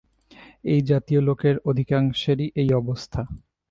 এই জাতীয় লোকের অধিকাংশেরই এই অবস্থা।